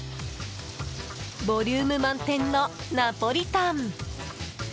ボリューム満点のナポリタン。